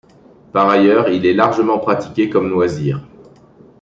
Par ailleurs, il est largement pratiqué comme loisir.